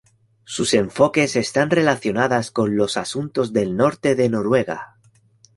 Sus enfoques están relacionadas con los asuntos del norte de Noruega.